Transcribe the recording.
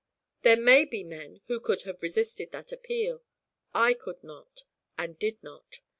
There may be men who could have resisted that appeal. I could not, and did not.